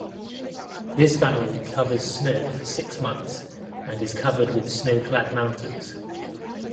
This valley covers snow for six months and is covered with snow clad mountains.